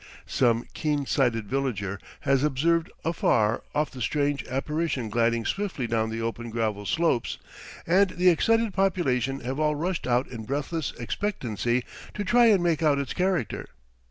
Some keen sighted villager has observed afar off the strange apparition gliding swiftly down the open gravel slopes, and the excited population have all rushed out in breathless expectancy to try and make out its character.